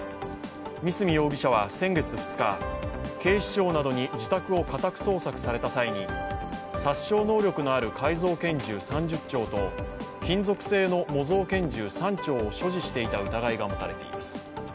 三角容疑者は先月２日警視庁などに自宅を家宅捜索された際に殺傷能力のある改造拳銃３０丁と金属製の模造拳銃３丁を所持していた疑いが持たれています。